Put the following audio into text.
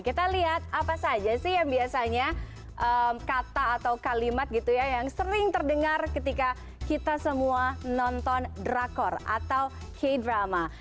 kita lihat apa saja sih yang biasanya kata atau kalimat gitu ya yang sering terdengar ketika kita semua nonton drakor atau k drama